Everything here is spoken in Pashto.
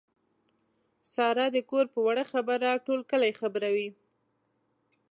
ساره د کور په وړه خبره ټول کلی خبروي.